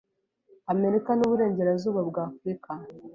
Amerika nuburengerazuba bwa Afrika